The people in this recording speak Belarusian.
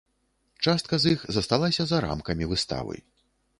Частка з іх засталася за рамкамі выставы.